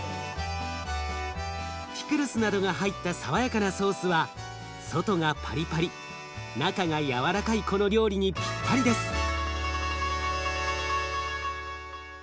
ピクルスなどが入った爽やかなソースは外がパリパリ中が軟らかいこの料理にぴったりです。